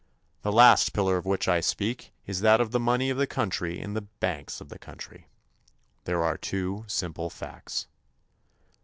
The last pillar of which I speak is that of the money of the country in the banks of the country. There are two simple facts.